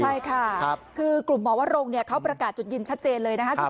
ใช่ค่ะคือกลุ่มหมอวรงเขาประกาศจุดยืนชัดเจนเลยนะครับ